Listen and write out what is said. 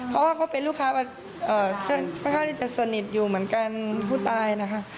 เพราะว่าเขาเป็นลูกค้าค่อนข้างที่จะสนิทอยู่เหมือนกันผู้ตายนะคะ